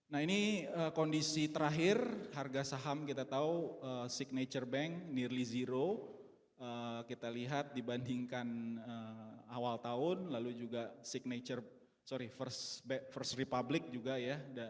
nah ini kondisi terakhir harga saham kita tahu signature bank nirly zero kita lihat dibandingkan awal tahun lalu juga first republic juga ya